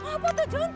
apa tuh jun